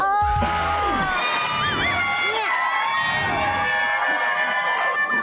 นี่